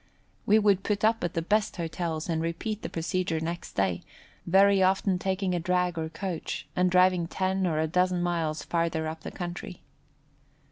We would put up at the best hotels and repeat the procedure next day, very often taking a drag or coach, and driving ten or a dozen miles farther up the country.